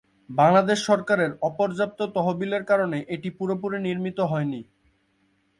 বাংলাদেশ সরকারের অপর্যাপ্ত তহবিলের কারণে এটি পুরোপুরি নির্মিত হয়নি।